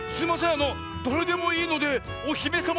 あのだれでもいいのでおひめさま